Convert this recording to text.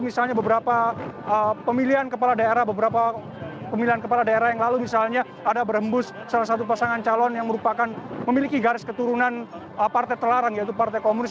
misalnya beberapa pemilihan kepala daerah beberapa pemilihan kepala daerah yang lalu misalnya ada berembus salah satu pasangan calon yang merupakan memiliki garis keturunan partai terlarang yaitu partai komunis